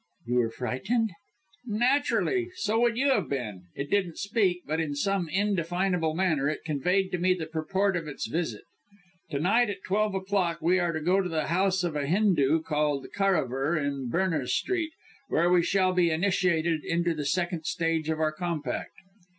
"You were frightened?" "Naturally! So would you have been. It didn't speak, but in some indefinable manner it conveyed to me the purport of its visit. To night, at twelve o'clock, we are to go to the house of a Hindu, called Karaver, in Berners Street, where we shall be initiated into the second stage of our compact."